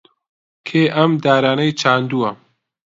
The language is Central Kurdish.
کێ ئەم دارانەی چاندووە؟